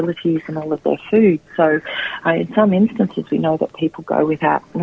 jadi dalam beberapa kesempatan kami tahu bahwa orang orang berjalan tanpa